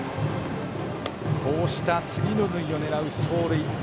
こうした次の塁を狙う走塁。